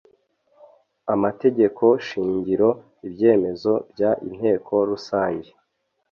amategeko shingiro ibyemezo by Inteko Rusange